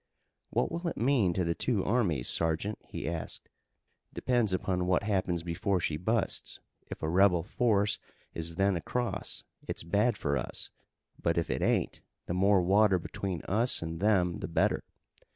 "What will it mean to the two armies, sergeant?" he asked. "Depends upon what happens before she busts. If a rebel force is then across it's bad for us, but if it ain't the more water between us an' them the better.